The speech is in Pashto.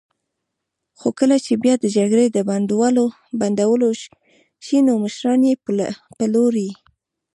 خو کله چې بیا د جګړې د بندولو شي، نو مشران یې پلوري.